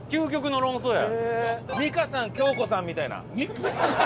美香さん恭子さんみたいな。